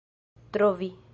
trovi